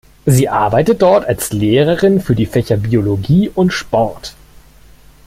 Sie arbeitet dort als Lehrerin für die Fächer Biologie und Sport.